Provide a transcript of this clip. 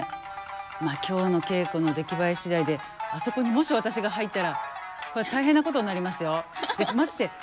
まあ今日の稽古の出来栄え次第であそこにもし私が入ったらこれは大変なことになりますよ。